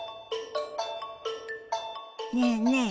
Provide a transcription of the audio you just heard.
ねえねえ